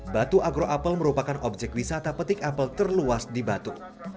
batu agro apel merupakan objek wisata petik apel terluas di batu